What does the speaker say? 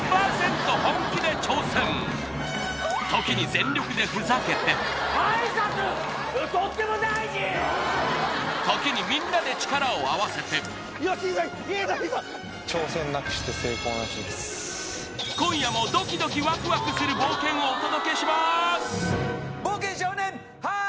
本気で挑戦時に全力でふざけて時にみんなで力を合わせて今夜もドキドキワクワクする冒険をお届けしますさあ